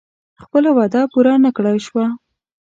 خپله وعده پوره نه کړای شوه.